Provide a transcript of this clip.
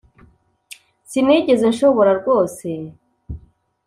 sinigeze nshobora rwose